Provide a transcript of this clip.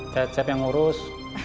saya siap siap yang ngurus